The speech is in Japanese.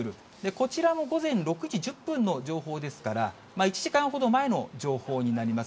こちらも午前６時１０分の情報ですから、１時間ほど前の情報になります。